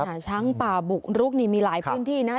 ช้างป่าบุกรุกนี่มีหลายพื้นที่นะ